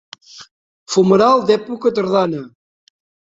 Fumeral d'època tardana.